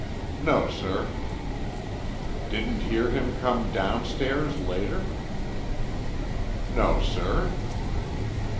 "No, sir." "Didn't hear him come downstairs later?" "No, sir."